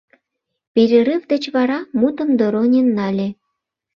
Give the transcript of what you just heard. Перерыв деч вара мутым Доронин нале.